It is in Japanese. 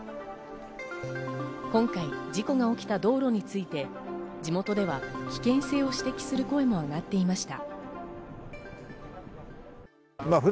今回、事故が起きた道路について地元では危険性を指摘する声も上がっていました。